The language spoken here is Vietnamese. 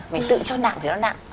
mình tự cho nặng thì nó nặng